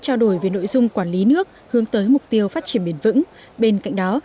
trao đổi về nội dung quản lý nước hướng tới mục tiêu phát triển bền vững bên cạnh đó